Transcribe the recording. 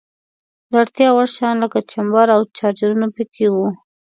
د اړتیا وړ شیان لکه جمپر او چارجرونه په کې وو.